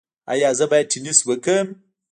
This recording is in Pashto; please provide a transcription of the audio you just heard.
ایا زه باید ټینس وکړم؟